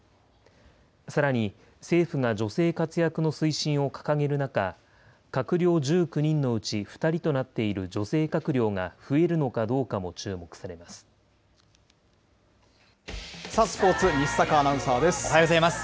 さらに、政府が女性活躍の推進を掲げる中、閣僚１９人のうち、２人となっている女性閣僚が増えるのかどうかスポーツ、おはようございます。